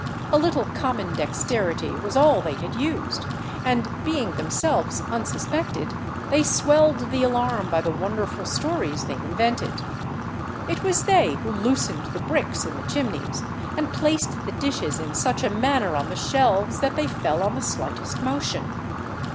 A little common dexterity was all they had used; and, being themselves unsuspected, they swelled the alarm by the wonderful stories they invented. It was they who loosened the bricks in the chimneys, and placed the dishes in such a manner on the shelves, that they fell on the slightest motion.